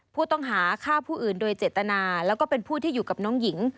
ผู้ต้องหาฆ่าผู้อื่นโดยเจตนาแล้วก็เป็นผู้ที่อยู่กับน้องหญิง